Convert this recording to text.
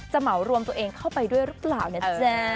เหมารวมตัวเองเข้าไปด้วยหรือเปล่านะจ๊ะ